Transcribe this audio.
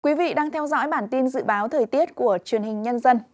quý vị đang theo dõi bản tin dự báo thời tiết của truyền hình nhân dân